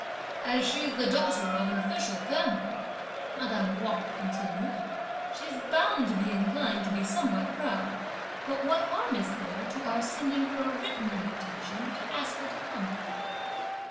"As she's the daughter of an official family," madame Wang continued, "she's bound to be inclined to be somewhat proud; but what harm is there to our sending her a written invitation to ask her to come!"